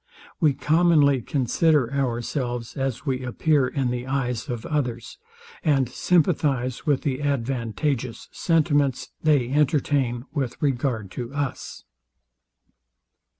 We commonly consider ourselves as we appear in the eyes of others, and sympathize with the advantageous sentiments they entertain with regard to us.